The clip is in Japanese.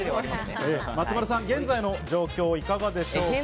松丸さん、現在の状況はいかがでしょうか？